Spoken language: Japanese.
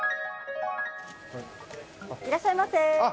いらっしゃいませ！